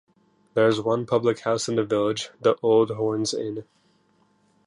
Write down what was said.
There is one public house in the village, the Old Horns Inn.